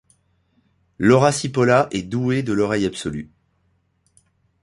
Laura Sippola est douée de l'oreille absolue.